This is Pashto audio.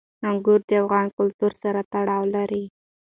انګور د افغان کلتور سره تړاو لري.